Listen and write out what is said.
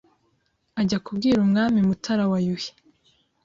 ajya kubwira umwami Mutara wa Yuhi